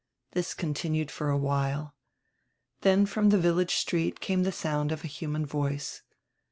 This continued for a while. Then from die village street came die sound of a human voice.